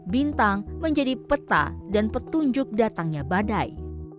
bintang menjadi peta dan petunjuk datangnya badai